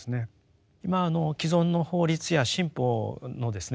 今既存の法律や新法のですね